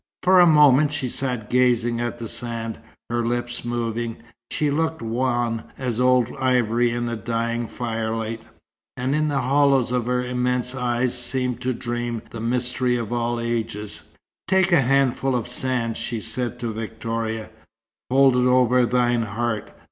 For a moment she sat gazing at the sand, her lips moving. She looked wan as old ivory in the dying firelight, and in the hollows of her immense eyes seemed to dream the mysteries of all ages. "Take a handful of sand," she said to Victoria. "Hold it over thine heart.